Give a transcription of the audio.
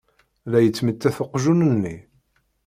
La yettmettat uqjun-nni.